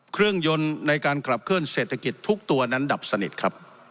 เครื่องยนต์ในการขับเคลื่อเศรษฐกิจทุกตัวนั้นดับสนิทครับ